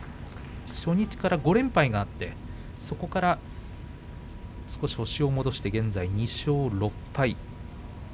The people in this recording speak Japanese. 初日から５連敗があってそこから少し星を戻して現在２勝６敗。